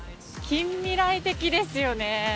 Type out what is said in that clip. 近未来的ですよね。